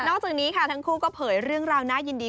จากนี้ค่ะทั้งคู่ก็เผยเรื่องราวน่ายินดี